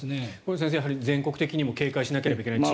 先生、全国的にも警戒しないといけないと。